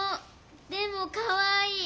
でもかわいい！